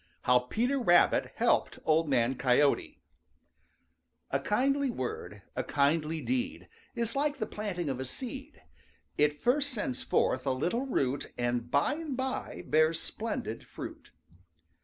HOW PETER RABBIT HELPED OLD MAN COYOTE A kindly word, a kindly deed, Is like the planting of a seed; It first sends forth a little root And by and by bears splendid fruit.